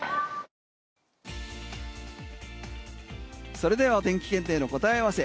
それではお天気検定の答え合わせ